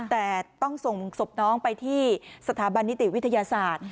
แต่ต้องส่งศพน้องไปที่สถาบันนิติวิทยาศาสตร์